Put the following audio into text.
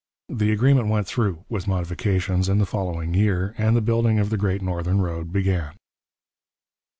The agreement went through, with modifications, in the following year, and the building of the great northern road began.